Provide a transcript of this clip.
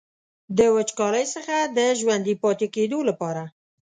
د وچکالۍ څخه د ژوندي پاتې کیدو لپاره.